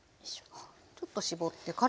あっちょっと絞ってから。